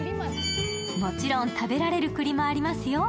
もちろん食べられる栗もありますよ。